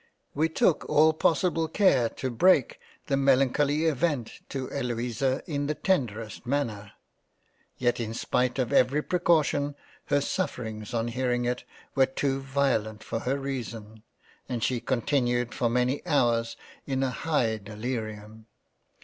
We took all possible care to break the melancholy Event to Eloisa in the tenderest manner ; yet in spite of every precaution, her sufferings on hearing it were too violent for her reason, and she continued for many hours in a high Delirium.